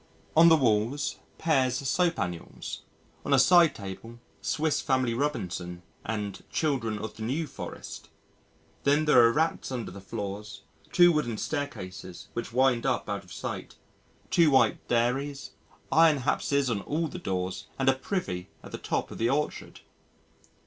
On the walls Pear's Soap Annuals, on a side table Swiss Family Robinson and Children of the New Forest. Then there are rats under the floors, two wooden staircases which wind up out of sight, two white dairies, iron hapses on all the doors and a privy at the top of the orchard.